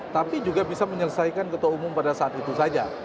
tapi juga bisa menyelesaikan ketua umum pada saat itu saja